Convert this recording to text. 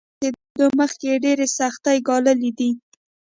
موخې ته تر رسېدو مخکې يې ډېرې سختۍ ګاللې دي.